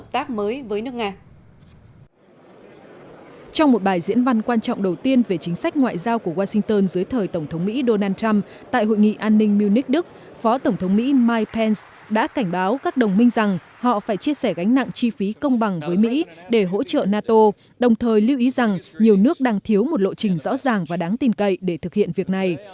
trong một bài diễn văn quan trọng đầu tiên về chính sách ngoại giao của washington dưới thời tổng thống mỹ donald trump tại hội nghị an ninh munich đức phó tổng thống mỹ mike pence đã cảnh báo các đồng minh rằng họ phải chia sẻ gánh nặng chi phí công bằng với mỹ để hỗ trợ nato đồng thời lưu ý rằng nhiều nước đang thiếu một lộ trình rõ ràng và đáng tin cậy để thực hiện việc này